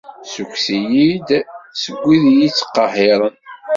Ssukkes-iyi-d seg wid i iyi-ittqehhiren.